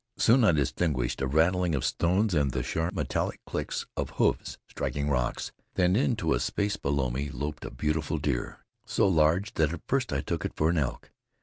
Soon I distinguished a rattling of stones and the sharp, metallic clicks of hoofs striking rocks. Then into a space below me loped a beautiful deer, so large that at first I took it for an elk.